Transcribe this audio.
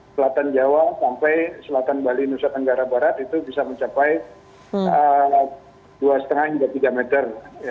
selatan jawa sampai selatan bali nusa tenggara barat itu bisa mencapai dua lima hingga tiga meter